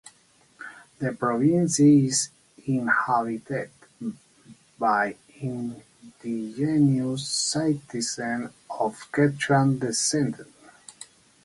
The province is inhabited by indigenous citizens of Quechua descent.